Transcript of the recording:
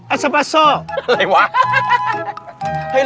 ไอ้รถชนุกคนบ้าหรือเปล่าอันนี้